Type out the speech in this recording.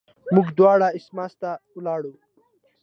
موږ دواړه اسماس ته ولاړو.